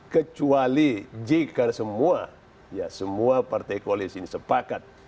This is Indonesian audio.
kecuali jika semua ya semua partai koalisi ini sepakat